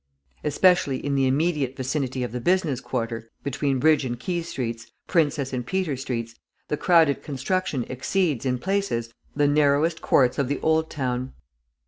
Especially in the immediate vicinity of the business quarter, between Bridge and Quay Streets, Princess and Peter Streets, the crowded construction exceeds in places the narrowest courts of the Old Town.